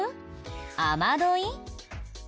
雨どい？